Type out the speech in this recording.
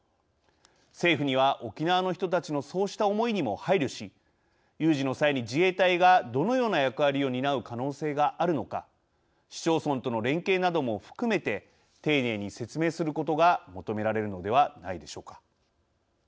政府には、沖縄の人たちのそうした思いにも配慮し有事の際に自衛隊がどのような役割を担う可能性があるのか市町村との連携なども含めて丁寧に説明することが求められるのではないでしょうか。